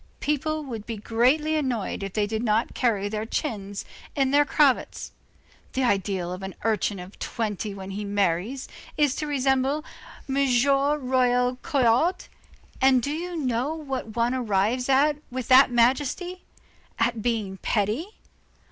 People would be greatly annoyed if they did not carry their chins in their cravats. The ideal of an urchin of twenty when he marries, is to resemble M. Royer Collard. And do you know what one arrives at with that majesty? at being petty.